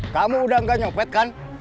kamu udah gak nyopet kan